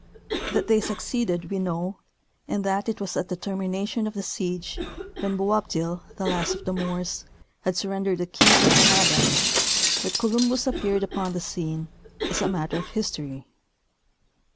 That they succeeded we know, and that it was at the termination of the siege, when Boabdil, the last king of the Moors, had surrendered the keys of Granada, that Columbus appeared upon the scene, is a matter of history.